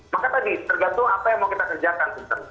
maka tadi tergantung apa yang mau kita kerjakan